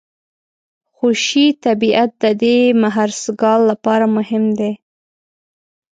خوشي طبیعت د دې مهرسګال لپاره مهم دی.